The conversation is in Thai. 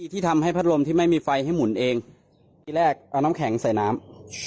ที่ทำให้พัดลมที่ไม่มีไฟให้หมุนเองที่แรกเอาน้ำแข็งใส่น้ำ